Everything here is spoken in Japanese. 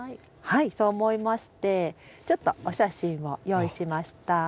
はいそう思いましてちょっとお写真を用意しました。